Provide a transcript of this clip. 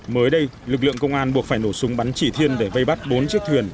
mới đây lực lượng công an buộc phải nổ súng bắn chỉ thiên để vây bắt bốn chiếc thuyền